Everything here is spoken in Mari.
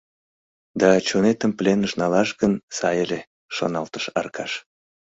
«Да, чонетым пленыш налаш гын, сай ыле» — шоналтыш Аркаш.